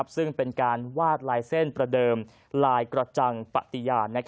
ซึ่งเป็นการวาดลายเส้นประเดิมลายกระจังปฏิญาณ